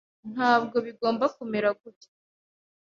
Ntabwo bigomba kumera gutya.